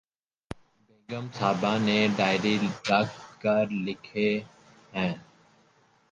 بیگم صاحبہ نے ڈائری رکھ کر لکھے ہیں